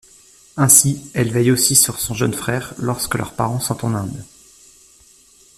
Ainsi, elle veille aussi sur son jeune frère lorsque leurs parents sont en Inde.